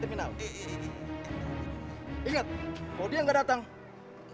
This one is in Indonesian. di iklan platforms gak ada juga